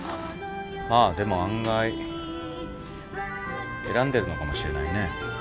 まあでも案外選んでるのかもしれないね。